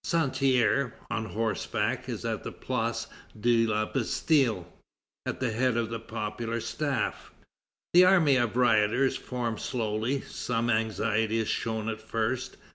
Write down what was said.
Santerre, on horseback, is at the Place de la Bastille, at the head of a popular staff. The army of rioters forms slowly. Some anxiety is shown at first.